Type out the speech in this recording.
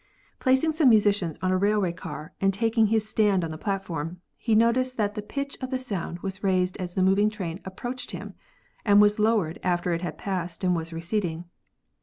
Placing some musicians on a railway car and taking his stand on the platform, he noticed that the pitch of the sound was raised as the moving train approached him and was low ered after it had passed and was receding.